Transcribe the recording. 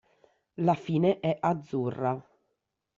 La fine è azzurra.